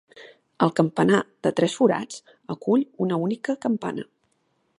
El campanar, de tres forats, acull una única campana.